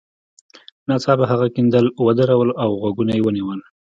ناڅاپه هغه کیندل ودرول او غوږونه یې ونیول